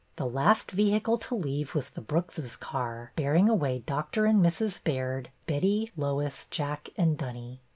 The last vehicle to leave was the Brooks's car, bearing away Dr. and Mrs. Baird, Betty, Lois, Jack, and Dunny.